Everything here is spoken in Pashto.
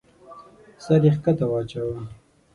سر يې کښته واچاوه.